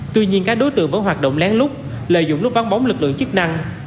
tuy nhiên các đối tượng vẫn hoạt động lén lút lợi dụng lúc vắng bóng lực lượng chức năng